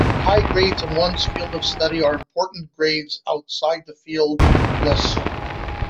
High grades in one's field of study are important-grades outside the field less so.